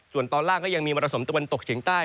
ส่วนตอนล่างก็ยังมีมรสุมตะวันตกเฉียงใต้